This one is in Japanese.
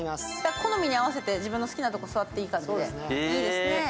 好みにあわせて、自分の好きな席に座っていただけるということで、いいですね。